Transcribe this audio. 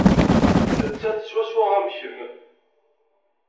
Nettat swaswa am kemm.